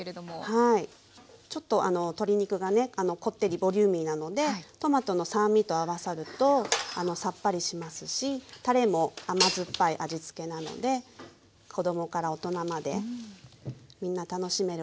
はいちょっと鶏肉がねこってりボリューミーなのでトマトの酸味と合わさるとさっぱりしますしたれも甘酸っぱい味つけなので子供から大人までみんな楽しめるおかずですね。